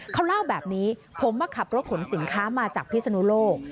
เขาเล่าแบบนี้ผมมาขับรถขนสินค้ามาจากพิศนุโลก